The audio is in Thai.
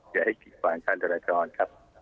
อย่าให้กิดขวางการจราจรครับ